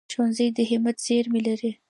ښوونځی د همت زېرمې لري